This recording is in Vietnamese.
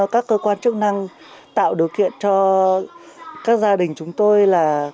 các cơ quan chức năng tạo điều kiện cho các gia đình chúng tôi là